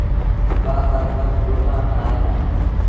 ٻآر ڦرڪ ڦرڪ ڳوٺآݩ کآݩ ائيٚݩ دآ۔